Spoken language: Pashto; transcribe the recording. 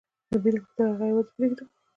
د بېلګې په توګه هغه یوازې پرېږدو.